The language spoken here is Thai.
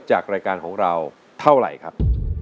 จากรายการของเราเท่าไหร่ครับ